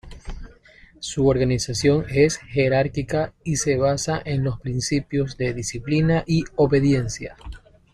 Su organización es jerárquica y se basa en los principios de disciplina y obediencia.